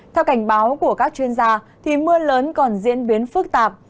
theo cảnh báo của các chuyên gia mưa lớn còn diễn biến phức tạp